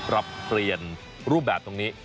ปรับเปลี่ยนรูปแบบตรงนี้